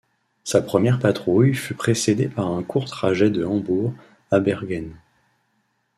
Sa première patrouille fut précédé par un court trajet de Hambourg à Bergen.